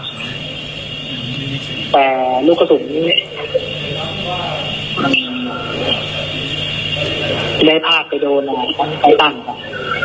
แต่ลูกศุมิได้พลาดไปโดนไอตันครับ